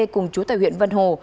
cùng chú tài huyện vân hồ